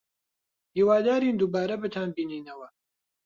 هیوادارین دووبارە بتانبینینەوە.